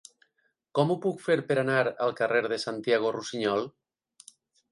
Com ho puc fer per anar al carrer de Santiago Rusiñol?